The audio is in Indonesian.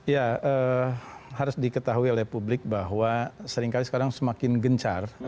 ya harus diketahui oleh publik bahwa seringkali sekarang semakin gencar